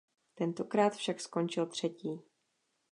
Tentokrát však skončil třetí.